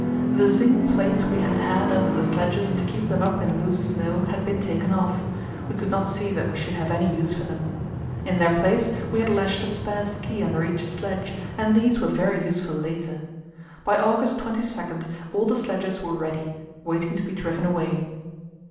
The zinc plates we had had under the sledges to keep them up in loose snow had been taken off; we could not see that we should have any use for them. In their place we had lashed a spare ski under each sledge, and these were very useful later. By August 22 all the sledges were ready, waiting to be driven away.